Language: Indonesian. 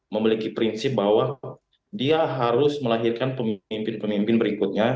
memiliki prinsip bahwa dia harus melahirkan pemimpin pemimpin berikutnya